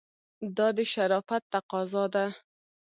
دا د شرافت تقاضا ده.